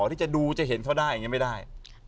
ที่จะดูจะเห็นเขาได้อย่างนี้ไม่ได้